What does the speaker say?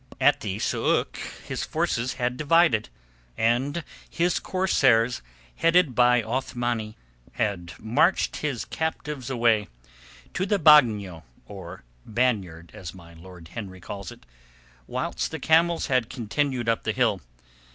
At the sôk his forces had divided, and his corsairs, headed by Othmani, had marched the captives away to the bagnio—or banyard, as my Lord Henry calls it—whilst the camels had continued up the hill.